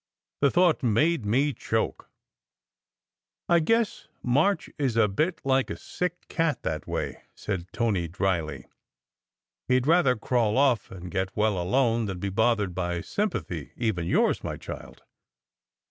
The thought made me choke. "I guess March is a bit like a sick cat that way," said Tony dryly. "He d rather crawl off and get well alone than be bothered by sympathy, even yours, my child.